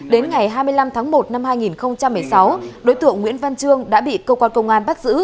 đến ngày hai mươi năm tháng một năm hai nghìn một mươi sáu đối tượng nguyễn văn trương đã bị cơ quan công an bắt giữ